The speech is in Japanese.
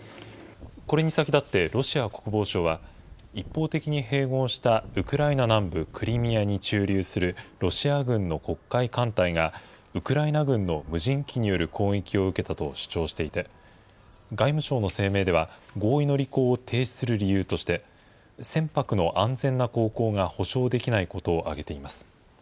これに先立って、ロシア国防省は、一方的に併合したウクライナ南部クリミアに駐留するロシア軍の黒海艦隊が、ウクライナ軍の無人機による攻撃を受けたと主張していて、外務省の声明では合意の履行を停止する理由として、船舶の安全な航行が保証できないことを挙げています。